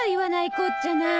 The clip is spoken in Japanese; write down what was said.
こっちゃない。